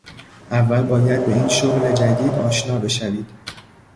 اول باید به این شغل جدید آشنا بشوید.